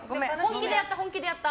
本気でやった。